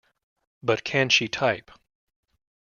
But Can She Type?